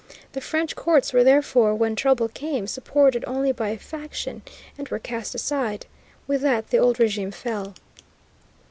The French courts were, therefore, when trouble came, supported only by a faction, and were cast aside. With that the old régime fell.